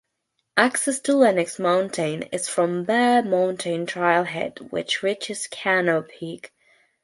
Access to Lennox Mountain is from Bare Mountain trailhead which reaches Canoe Peak.